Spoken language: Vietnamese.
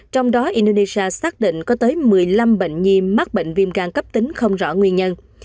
trong đó indonesia xác định có tới một mươi năm bệnh nhi mắc bệnh viêm gan cấp tính không rõ nguyên nhân